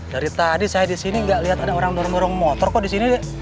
dari tadi saya disini gak liat ada orang nurung nurung motor kok disini deh